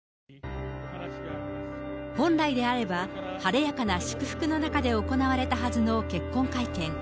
本来であれば、晴れやかな祝福の中で行われたはずの結婚会見。